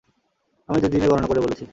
আমি দুই দিনের গণনা করে বলেছি।